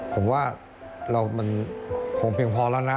ผมว่ามันคงเพียงพอแล้วนะ